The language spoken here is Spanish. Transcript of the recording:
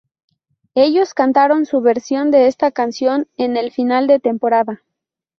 Ellos cantaron su versión de esta canción en el final de temporada.